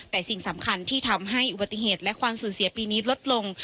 แต่สิ่งสำคัญที่ทำให้อุบัติเหตุและความสูญเสียปีนี้ลดลง